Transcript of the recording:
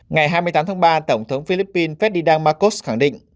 ngày hai mươi tám tháng ba tổng thống philippines fedidang marcos khẳng định